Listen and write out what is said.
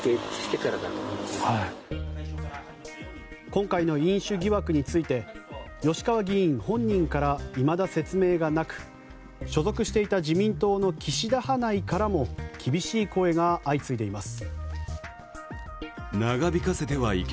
今回の飲酒疑惑について吉川議員本人からいまだ説明がなく、所属していた自民党の岸田派内からも厳しい声が相次いでいます。